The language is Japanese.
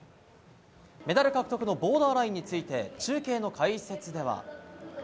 メダル獲得のボーダーラインについて中継の解説では。